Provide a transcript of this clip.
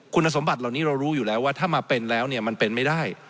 คุณสมบัติเหล่านี้เรารู้อยู่แล้วว่าถ้ามาเป็นแล้วเนี่ยมันเป็นไม่ได้